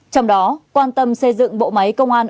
trong đó quan tâm xây dựng bộ máy công an